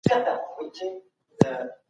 په دغه وخت کي هوا سړه ده.